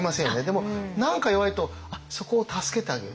でも何か弱いとそこを助けてあげようと。